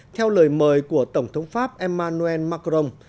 theo lời mời của tổng thống pháp emmanuel macron